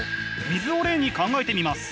水を例に考えてみます。